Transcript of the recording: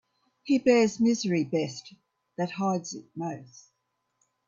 He bears misery best that hides it most.